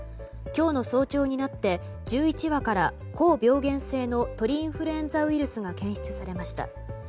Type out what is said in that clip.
今日の早朝になって１１羽から高病原性の鳥インフルエンザウイルスが検出されました。